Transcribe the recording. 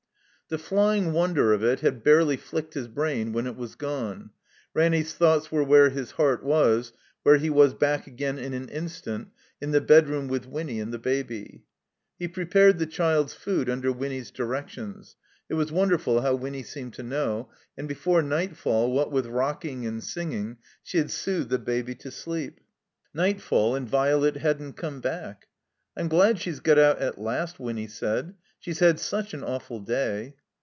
The flying wonder of it had barely flicked his brain when it was gone. Ranny's thoughts were where his heart was, where he was back again in an instant, in the bedroom with Winny and the Baby. He prepared the child's food under Winny's di rections (it was wonderful how Winny seemed to know) ; and before nightfall, what with rocking and singing, she had soothed the Baby to sleep. Nightfall, and Violet hadn't come back. "I'm glad she's got out at last," Winny said. "She's had such an awftd day."